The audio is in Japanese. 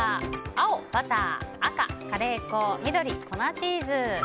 青、バター赤、カレー粉緑、粉チーズ。